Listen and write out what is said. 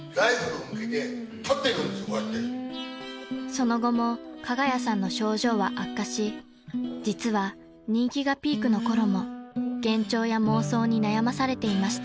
［その後も加賀谷さんの症状は悪化し実は人気がピークのころも幻聴や妄想に悩まされていました］